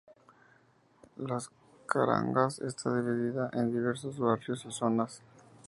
Las Carangas está dividida en diversos barrios y zonas.